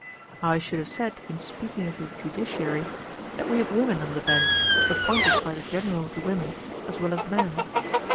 I should have said, in speaking of the judiciary, that we have women on the bench, appointed by the general of the women, as well as men.